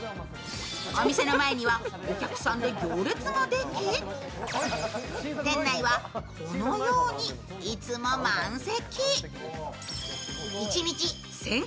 お店の前にはお客さんで行列ができ、店内はこのようにいつも満席。